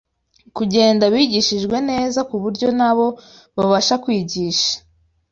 kugenda bigishijwe neza ku buryo na bo babasha kwigisha